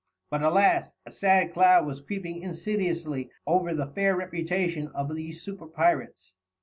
But alas! a sad cloud was creeping insidiously over the fair reputation of these super pirates.